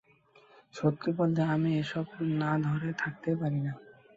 সত্যি বলতে, আমি এসব না করে থাকতেই পারি না।